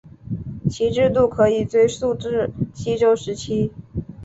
其制度可以追溯至西周时期。